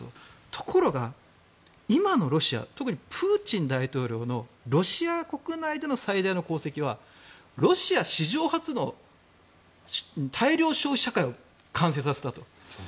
ところが、今のロシア特にプーチン大統領のロシア国内での最大の貢献はロシア史上初の大量消費社会を完成させた。